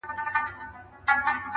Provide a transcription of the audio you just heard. • خر په خپله ګناه پوه نه سو تر پایه,